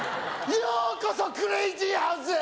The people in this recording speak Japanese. ようこそクレイジーハウスへ！